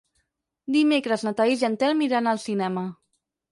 Dimecres na Thaís i en Telm iran al cinema.